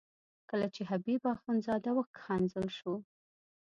کله چې حبیب اخندزاده وښکنځل شو.